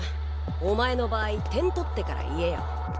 お前の場合点取ってから言えよ。